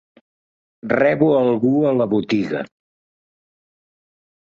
Rebo algú a la botiga.